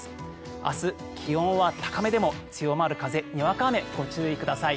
明日、気温は高めでも強まる風、にわか雨ご注意ください。